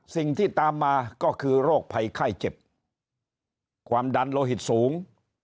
สิ่งที่ตามมาก็คือโรคภัยไข้เจ็บความดันโลหิตสูง